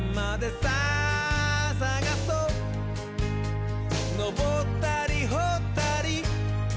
「さあさがそうのぼったりほったり」